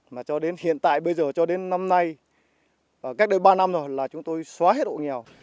mà cho đến hiện tại bây giờ cho đến năm nay cách đây ba năm rồi là chúng tôi xóa hết hộ nghèo